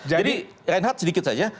jadi reinhardt sedikit saja